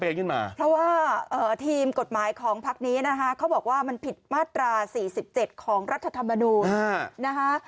เพราะว่าทีมกฎหมายของพักนี้นะคะเขาบอกว่ามันผิดมาตรา๔๗ของรัฐธรรมนูญนะคะ